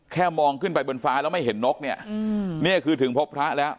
มองขึ้นไปบนฟ้าแล้วไม่เห็นนกเนี่ยนี่คือถึงพบพระแล้ว